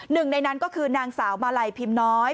หนึ่งในนั้นก็คือนางสาวมาลัยพิมพ์น้อย